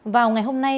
vào ngày hôm nay